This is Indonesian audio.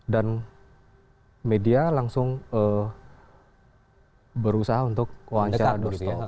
dan media langsung berusaha untuk menguasai